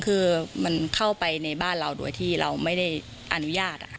คือมันเข้าไปในบ้านเราโดยที่เราไม่ได้อนุญาต